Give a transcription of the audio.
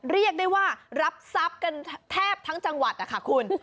เรียกได้ว่ารับทรัพย์กันแทบทั้งจังหวัดนะคะคุณ